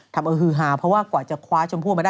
ทำเอาฮือฮาเพราะว่ากว่าจะคว้าชมพู่มาได้